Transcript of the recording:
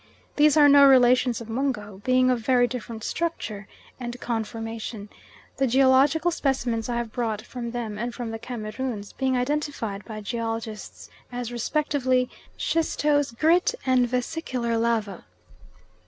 These are no relations of Mungo, being of very different structure and conformation; the geological specimens I have brought from them and from the Cameroons being identified by geologists as respectively schistose grit and vesicular lava.